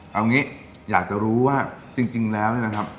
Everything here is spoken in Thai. เอางี้อยากจะรู้ว่าจริงแล้วเนี่ยนะครับ